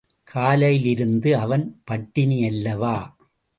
காலையிலிருந்து அவன் பட்டினியல்லவா!